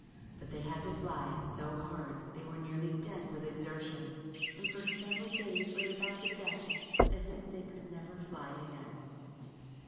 But they had to fly so hard they were nearly dead with exertion, and for several days lay about the deck as if they could never fly again.